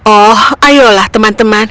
oh ayolah teman teman